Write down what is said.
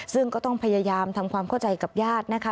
ซึ่งก็ต้องพยายามทำความเข้าใจกับญาตินะคะ